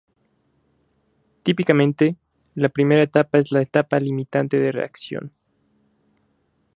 Típicamente, la primera etapa es la etapa limitante de reacción.